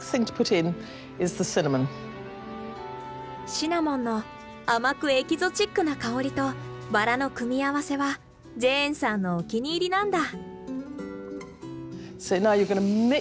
シナモンの甘くエキゾチックな香りとバラの組み合わせはジェーンさんのお気に入りなんだ。